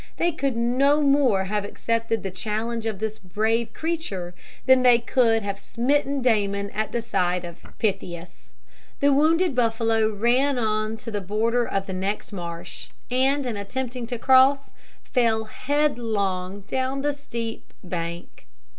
They could no more have accepted the challenge of this brave creature, than they could have smitten Damon at the side of Pythias. The wounded buffalo ran on to the border of the next marsh, and, in attempting to cross, fell headlong down the steep bank.